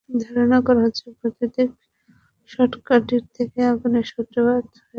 ধারণা করা হচ্ছে, বৈদ্যুতিক শর্টসার্কিট থেকে আগুনের সূত্রপাত হয়ে থাকতে পারে।